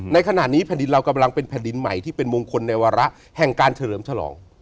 ในขณะนี้แผ่นดินเรากำลังเป็นแผ่นดินใหม่ที่เป็นมงคลในวาระแห่งการเฉลิมฉลอง